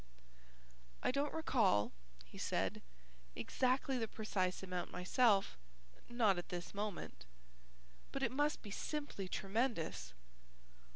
"I don't recall," he said, "exactly the precise amount myself, not at this moment, but it must be simply tremendous.